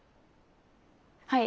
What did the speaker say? はい。